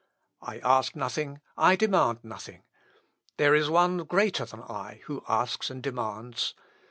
I ask nothing, I demand nothing. There is one greater than I who asks and demands.